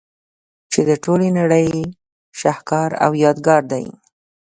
چي د ټولي نړۍ شهکار او يادګار دئ.